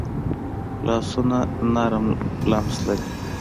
لاسونه نرم لمس لري